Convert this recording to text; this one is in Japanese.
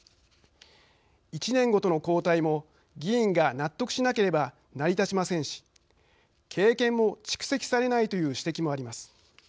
１年ごとの交代も議員が納得しなければ成り立ちませんし経験も蓄積されないという指摘もあります。